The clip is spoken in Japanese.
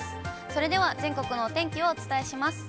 それでは全国のお天気をお伝えします。